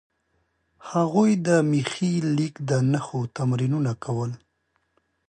هغوی د میخي لیک د نښو تمرینونه کول.